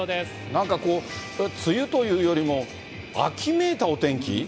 なんかこう、梅雨というよりも、秋めいたお天気？